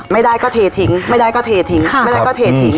ไม่ได้ก็เททิ้งไม่ได้ก็เททิ้งไม่ได้ก็เททิ้ง